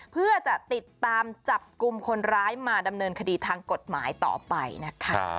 เพื่อจะติดตามจับกลุ่มคนร้ายมาดำเนินคดีทางกฎหมายต่อไปนะคะ